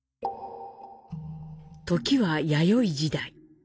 時は、弥生時代。